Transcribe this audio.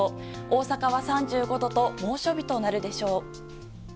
大阪は３５度と猛暑日となるでしょう。